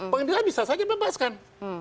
pengadilan bisa saja membahaskan